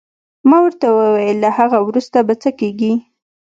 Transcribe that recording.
ما ورته وویل: له هغه وروسته به څه کېږي؟